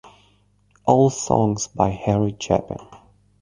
All songs by Harry Chapin.